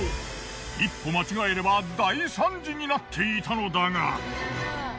一歩間違えれば大惨事になっていたのだが。